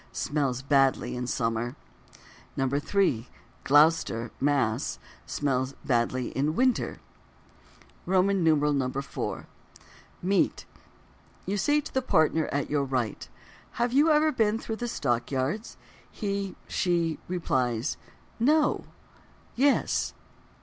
smells badly in summer. 3. Gloucester (Mass.) smells badly in winter. IV. Meat. You say to the partner at your right: "Have you ever been through the Stock Yards?" She (he) replies: "No." ("Yes.")